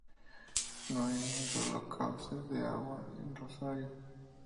No hay un solo cauce de agua en Rosario.